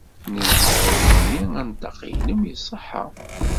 Nezmer ad d-nini anṭaq-nnem iṣeḥḥa.